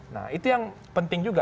nah itu yang penting juga